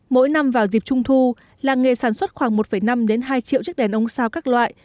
mỗi năm vào dịp trung thu làng nghề sản xuất khoảng một năm hai triệu chiếc đèn ông sao các loại